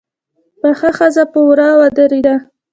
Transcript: پخه ښځه په وره ودرېده.